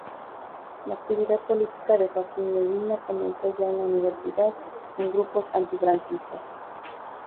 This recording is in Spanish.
La actividad política de Joaquín Leguina comenzó ya en la universidad, en grupos antifranquistas.